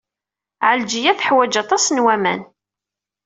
Ɛelǧiya teḥwaj aṭas n waman.